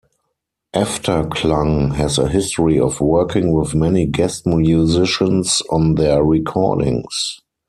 Efterklang has a history of working with many guest musicians on their recordings.